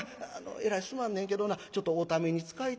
えらいすまんねんけどなちょっとおために使いたいのやわ。